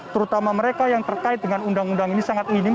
terutama mereka yang terkait dengan undang undang ini sangat minim